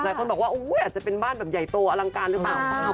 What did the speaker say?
หลายคนบอกว่าอาจจะเป็นบ้านแบบใหญ่โตอลังการหรือเปล่า